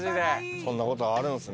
そんな事があるんですね。